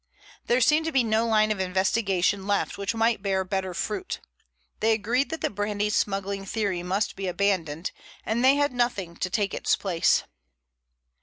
There seemed to be no line of investigation left which might bear better fruit. They agreed that the brandy smuggling theory must be abandoned, and they had nothing to take its place.